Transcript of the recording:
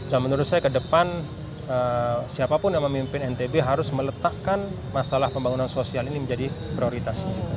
dan menurut saya kedepan siapapun yang memimpin ntb harus meletakkan masalah pembangunan sosial ini menjadi prioritas